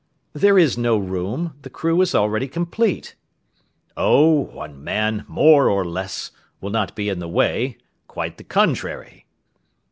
"There is no room; the crew is already complete." "Oh, one man, more or less, will not be in the way; quite the contrary."